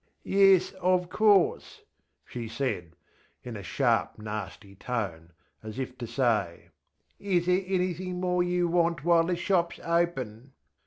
ŌĆśYesŌĆöofŌĆöcourse, ŌĆÖ she said, in a sharp nasty tone, as if to say, ŌĆśIs there anything more you want while the shopŌĆÖs open?